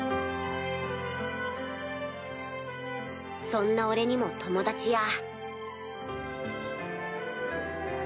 そんな俺にも友達や。